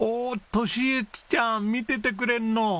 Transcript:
俊行ちゃん見ててくれるの。